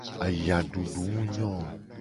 Ayadudu mu nyo o.